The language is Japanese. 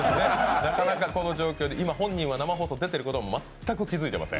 なかなかこの状況で今本人は生放送に出ていることに全く気付いていません。